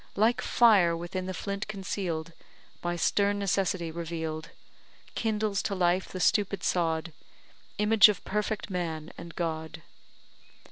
Like fire, within the flint conceal'd, By stern necessity reveal'd, Kindles to life the stupid sod, Image of perfect man and God.